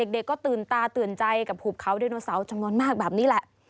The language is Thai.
เด็กก็ตื่นตาตื่นใจกับหุบเขาไดโนเสาร์จำนวนมากแบบนี้แหละ